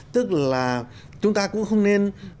tức là chúng ta cũng không nên